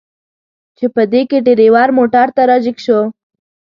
چې په دې کې ډریور موټر ته را جګ شو.